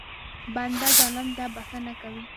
بنده ظالم ته بښنه کوي.